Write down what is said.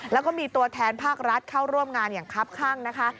แล้วก็มีตัวแทนภาครัฐเข้าร่วมงานอย่างครับข้างนะคะ